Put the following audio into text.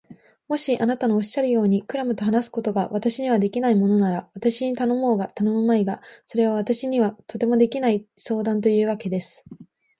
もしあなたのおっしゃるように、クラムと話すことが私にはできないものなら、私に頼もうが頼むまいが、それは私にはとてもできない相談というわけです。